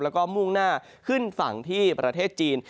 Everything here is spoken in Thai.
แล้วก็มุ่งหน้าขึ้นฝั่งที่ประเทศจีน